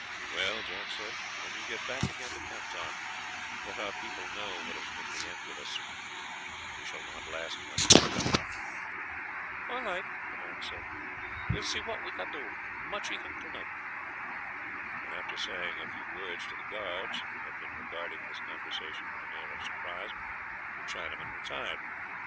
"Well," Jack said, "when you get back again to Canton let our people know what has been the end of us; we shall not last much longer." "All light," the man said; "will see what me can do. Muchee think tonight!" And after saying a few words to the guards, who had been regarding this conversation with an air of surprise, the Chinaman retired.